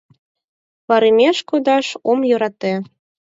— Парымеш кодаш ом йӧрате.